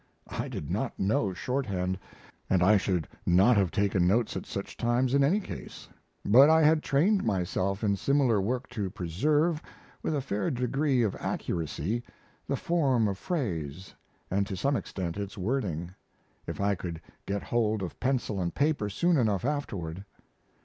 I did not know shorthand, and I should not have taken notes at such times in any case; but I had trained myself in similar work to preserve, with a fair degree of accuracy, the form of phrase, and to some extent its wording, if I could get hold of pencil and paper soon enough afterward.